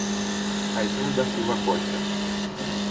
Caetano da Silva Costa